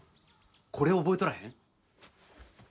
これ覚えとらへん？